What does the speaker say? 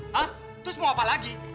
lalu terus mau apa lagi